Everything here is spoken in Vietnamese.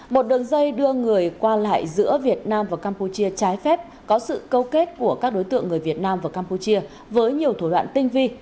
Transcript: một đường dây đưa người qua lại giữa việt nam và campuchia trái phép có sự câu kết của các đối tượng người việt nam và campuchia với nhiều thủ đoạn tinh vi